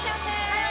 はい！